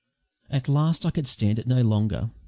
At last I could stand it no longer.